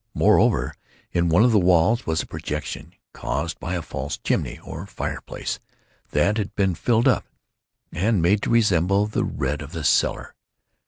Moreover, in one of the walls was a projection, caused by a false chimney, or fireplace, that had been filled up, and made to resemble the red of the cellar.